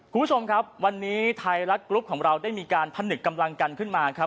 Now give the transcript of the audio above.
คุณผู้ชมครับวันนี้ไทยรัฐกรุ๊ปของเราได้มีการผนึกกำลังกันขึ้นมาครับ